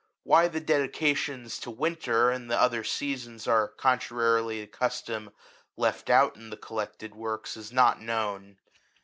Why the dedications to '* Winter" and the other Seasons, are, contrarily to custom, left out in the collected w^orks, is not known.